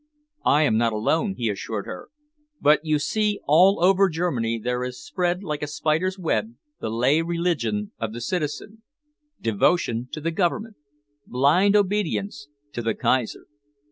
"I am not alone," he assured her, "but, you see, all over Germany there is spread like a spider's web the lay religion of the citizen devotion to the Government, blind obedience to the Kaiser.